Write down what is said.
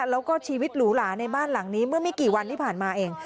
แล้วก็ชีวิตหรูหลาในบ้านหลังนี้เมื่อไม่กี่วันที่ผ่านมาเอง